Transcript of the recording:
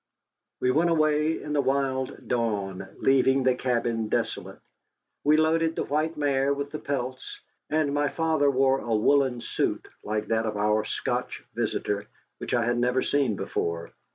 We went away in the wild dawn, leaving the cabin desolate. We loaded the white mare with the pelts, and my father wore a woollen suit like that of our Scotch visitor, which I had never seen before.